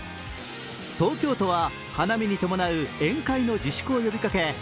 東京都は花見に伴う宴会の自粛を呼びかけ